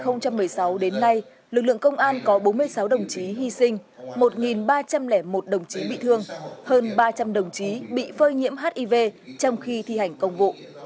từ năm hai nghìn một mươi sáu đến nay lực lượng công an có bốn mươi sáu đồng chí hy sinh một ba trăm linh một đồng chí bị thương hơn ba trăm linh đồng chí bị phơi nhiễm hiv trong khi thi hành công vụ